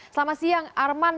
selamat siang arman